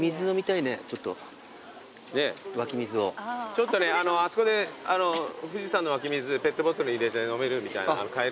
ちょっとねあそこで富士山の湧き水ペットボトルに入れて買えるみたいな。